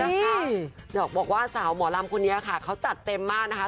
บอกว่าสาวหมอลำคนนี้ค่ะเขาจัดเต็มมากนะคะ